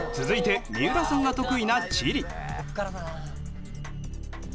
続いて三浦さんが得意な地理。